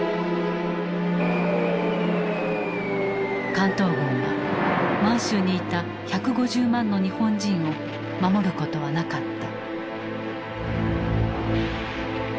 関東軍は満州にいた１５０万の日本人を守ることはなかった。